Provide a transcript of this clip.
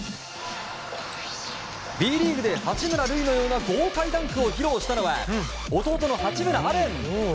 Ｂリーグで、八村塁のような豪快ダンクを披露したのは弟の八村阿蓮。